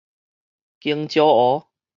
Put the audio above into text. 弓蕉湖